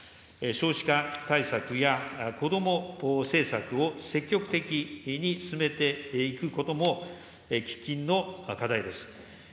少子化対策やこども政策を積極的に進めていくことも、喫緊の課題です。